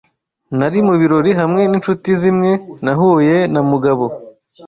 Nari mu birori hamwe ninshuti zimwe nahuye na Mugabo.